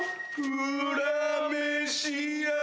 うらめしや。